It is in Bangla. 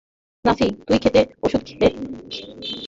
নাসি, তুই ক্ষেতে ওষুধ ছিটিয়েছিস?